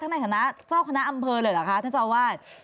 ในฐานะเจ้าคณะอำเภอเลยเหรอคะท่านเจ้าอาวาส